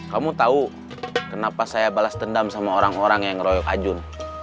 kamu tahu kenapa saya balas dendam sama orang orang yang ngeroyok ajun